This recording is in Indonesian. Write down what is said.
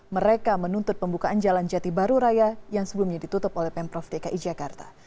mereka menuntut pembukaan jalan jati baru raya yang sebelumnya ditutup oleh pemprov dki jakarta